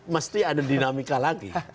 mesti ada dinamika lagi